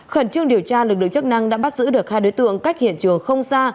khẩn trương điều tra lực lượng chức năng đã bắt giữ được hai đối tượng cách hiện trường không xa